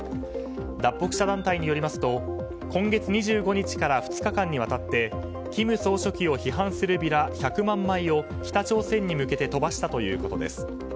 脱北者団体によりますと今月２５日から２日間にわたって金総書記を批判するビラ１００万枚を北朝鮮に向けて飛ばしたということです。